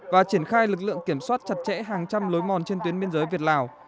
và triển khai lực lượng kiểm soát chặt chẽ hàng trăm lối mòn trên tuyến biên giới việt lào